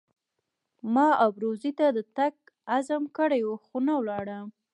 ما ابروزي ته د تګ عزم کړی وو خو نه ولاړم.